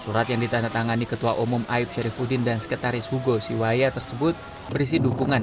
surat yang ditandatangani ketua umum aib syarifudin dan sekretaris hugo siwaya tersebut berisi dukungan